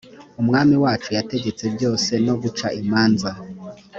umwami wacu yategetse byose no guca imanza